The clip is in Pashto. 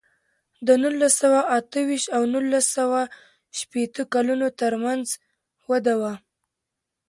د نولس سوه اته ویشت او نولس سوه شپېته کلونو ترمنځ وده وه.